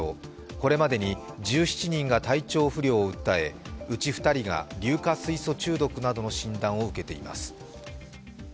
これまでに１７人が体調を不良を訴え、うち２人が硫化水素中毒などの診断を受けています。